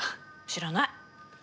知らない。